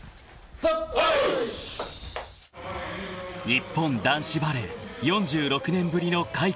［日本男子バレー４６年ぶりの快挙へ］